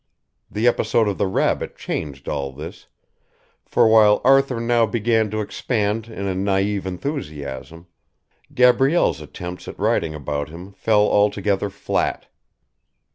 The episode of the rabbit changed all this, for while Arthur now began to expand in a naïve enthusiasm, Gabrielle's attempts at writing about him fell altogether flat.